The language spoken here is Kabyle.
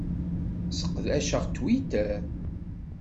Sseqdaceɣ Twitter.